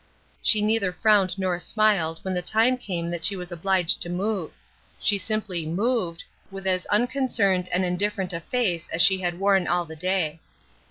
She neither frowned nor smiled when the time came that she was obliged to move; she simply moved, with as unconcerned and indifferent a face as she had worn all the due.